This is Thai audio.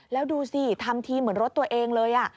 แล้วดูสิทำทีเหมือนรถตัวเองเลย